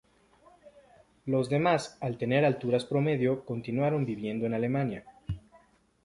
Los demás al tener alturas promedio, continuaron viviendo en Alemania.